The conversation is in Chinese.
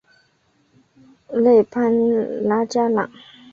勒潘拉加朗。